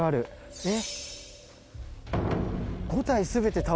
えっ？